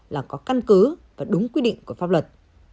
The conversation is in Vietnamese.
là có căn cứ và đúng quy định của pháp luật